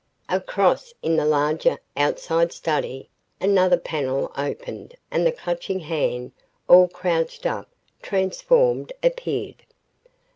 Across, in the larger, outside study, another panel opened and the Clutching Hand, all crouched up, transformed, appeared.